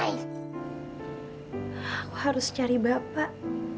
aku harus cari bapak